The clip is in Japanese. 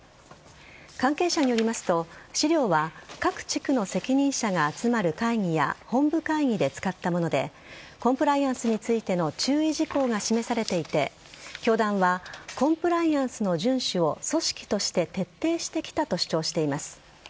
関係者によりますと、資料は各地区の責任者が集まる会議や本部会議で使ったものでコンプライアンスについての注意事項が示されていて教団はコンプライアンスの順守を組織として徹底してきたと主張しています。